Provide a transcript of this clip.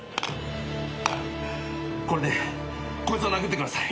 これでこいつを殴ってください。